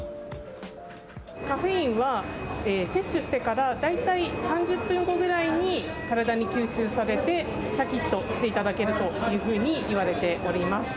カフェインは摂取してから大体３０分後ぐらいに体に吸収されて、しゃきっとしていただけるというふうにいわれております。